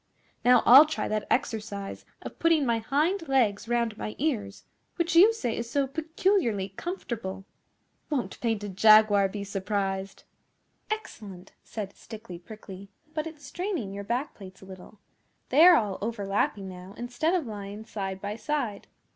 Now I'll try that exercise of putting my hind legs round my ears which you say is so peculiarly comfortable. Won't Painted Jaguar be surprised!' 'Excellent!' said Stickly Prickly. 'But it's straining your back plates a little. They are all overlapping now, instead of lying side by side.